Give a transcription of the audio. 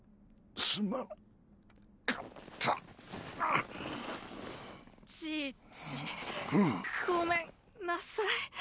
すまなかったじいじごめんなさい